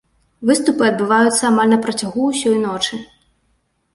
Выступы адбываюцца амаль на працягу ўсёй ночы.